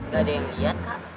gak ada yang lihat kak